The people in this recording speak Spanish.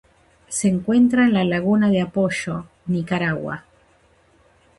Se encuentra en la Laguna de Apoyo: Nicaragua.